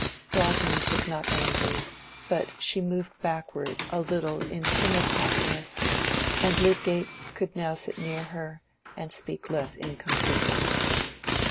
Rosamond was not angry, but she moved backward a little in timid happiness, and Lydgate could now sit near her and speak less incompletely.